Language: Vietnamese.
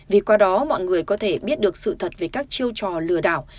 vì qua đó mọi người có thể biết được sự thật về các chiêu trò lừa đảo